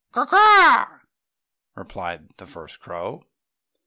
Ca aaaaw!" replied the first crow.